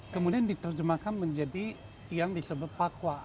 kemudian diterjemahkan menjadi yang disebut pakwa